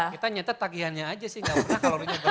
kita nyetet tagihannya aja sih